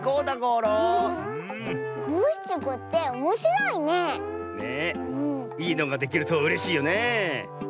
いいのができるとうれしいよねえ。